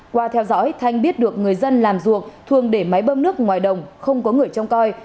qua theo dõi thanh biết được người dân làm ruộng thường để máy bơm nước ngoài đồng không có người trông coi